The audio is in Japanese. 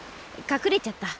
かくれちゃった。